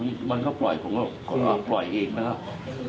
แต่ผมนั่งจับหัวไม่ให้มันดึงลงใช่ไหม